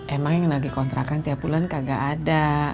emang yang lagi kontrakan tiap bulan kagak ada